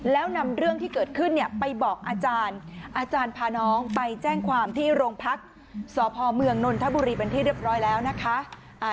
แล้วนำเรื่องที่เกิดขึ้นเนี่ยไปบอกอาจารย์อาจารย์พาน้องไปแจ้งความที่โรงพักษ์สพเมืองนนทบุรีเป็นที่เรียบร้อยแล้วนะคะ